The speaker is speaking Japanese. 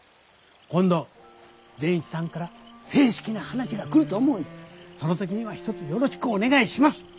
「今度善一さんから正式な話が来ると思うんでその時にはひとつよろしくお願いします」。